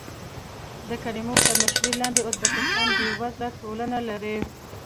د کریموف تر مشرۍ لاندې ازبکستان بېوزله ټولنه لري.